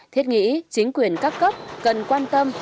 thiết nghĩ chính quyền các cấp cần quan tâm